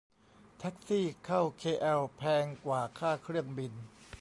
แท็กซี่เข้าเคแอลแพงกว่าค่าเครื่องบิน